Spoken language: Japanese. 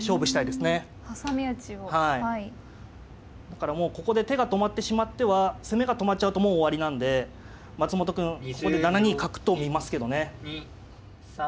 だからもうここで手が止まってしまっては攻めが止まっちゃうともう終わりなんで松本くんここで７二角と見ますけどね。